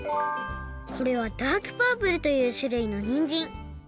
これはダークパープルというしゅるいのにんじん。